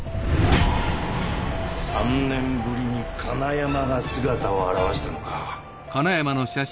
３年ぶりに金山が姿を現したのか。